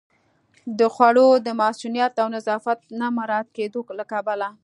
د خوړو د مصئونیت او نظافت نه مراعت کېدو له کبله